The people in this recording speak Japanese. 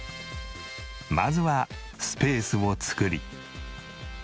まずはスペースを作り。